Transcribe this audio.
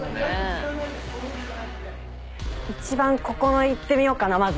一番ここの行ってみようかなまず。